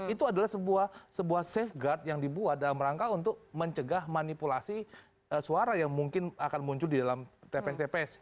itu adalah sebuah safeguard yang dibuat dalam rangka untuk mencegah manipulasi suara yang mungkin akan muncul di dalam tps tps